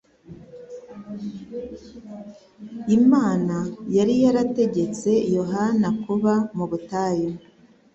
Imana yari yarategetse Yohana kuba mu butayu,